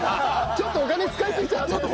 ちょっとお金使いすぎちゃって。